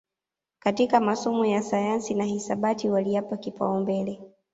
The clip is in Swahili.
katika masomo ya sayansi na hisabati waliyapa kipaumbele